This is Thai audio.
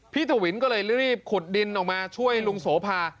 ถวินก็เลยรีบขุดดินออกมาช่วยลุงโสภา